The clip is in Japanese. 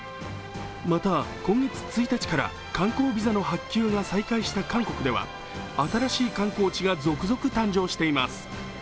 また今月１日から観光ビザの発給が再開した韓国では新しい観光地が続々誕生しています。